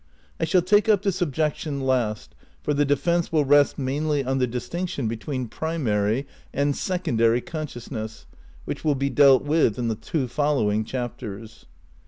I shall take up this objection last, for the defence will rest mainly on the distinction between primary and secondary consciousness which will be dealt with in the two following chapters.